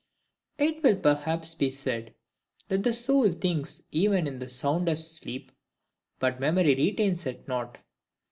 It will perhaps be said,—That the soul thinks even in the soundest sleep, but the MEMORY retains it not.